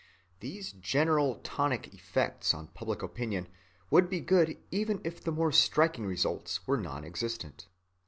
These general tonic effects on public opinion would be good even if the more striking results were non‐existent.